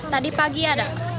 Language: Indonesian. tadi pagi ada